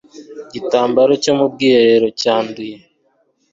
igitambaro cyo mu bwiherero cyanduye